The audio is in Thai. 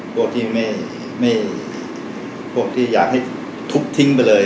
พวกที่ไม่พวกที่อยากให้ทุบทิ้งไปเลย